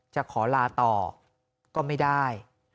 จะขอลาต่อก็ไม่ได้